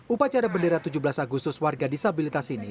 upacara bendera tujuh belas agustus warga disabilitas ini